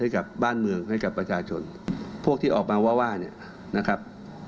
กับบ้านเมืองให้กับประชาชนพวกที่ออกมาว่าว่าเนี่ยนะครับ